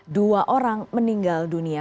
dua orang meninggal dunia